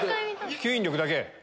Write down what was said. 吸引力だけ。